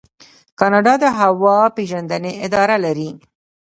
کاناډا د هوا پیژندنې اداره لري.